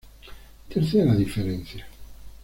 Tercera diferencia.